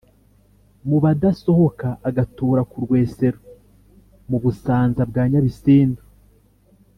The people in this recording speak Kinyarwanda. mu b'abadasohoka, agatura ku rwesero mu busanza bwa nyabisindu,